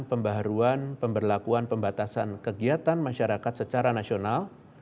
pembaharuan pemberlakuan pembatasan kegiatan masyarakat secara nasional